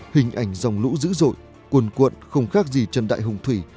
hình ảnh dòng lũ dữ dội cuồn cuộn không khác gì trần đại hùng thủy